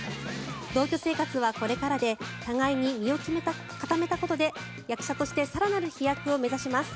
同居生活はこれからで互いに身を固めたことで役者として更なる飛躍を目指します。